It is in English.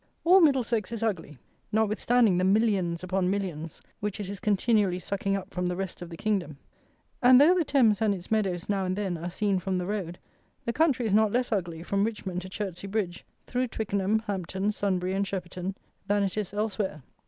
All Middlesex is ugly, notwithstanding the millions upon millions which it is continually sucking up from the rest of the kingdom; and, though the Thames and its meadows now and then are seen from the road, the country is not less ugly from Richmond to Chertsey bridge, through Twickenham, Hampton, Sunbury, and Sheperton, than it is elsewhere.